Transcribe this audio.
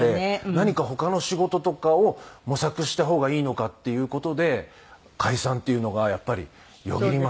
何か他の仕事とかを模索した方がいいのかっていう事で解散っていうのがやっぱりよぎりましたね。